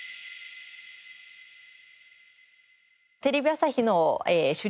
テレビ朝日の主力